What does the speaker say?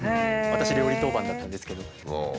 私料理当番だったんですけど。